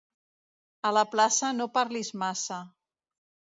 A la plaça, no parlis massa.